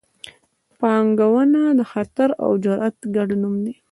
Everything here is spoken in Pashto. پانګونه د خطر او جرات ګډ نوم دی.